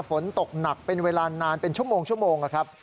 ฝนตกหนักเป็นเวลานานเป็นชั่วโมงนะครับ